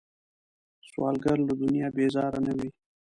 سوالګر له دنیا بیزاره نه وي